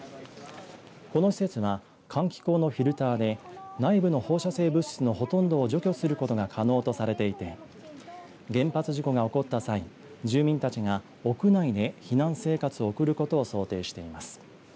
この施設は換気口のフィルターで内部の放射性物質のほとんどを除去することが可能とされていて原発事故が起こった際住民たちが屋内で避難生活を送ることを想定しています。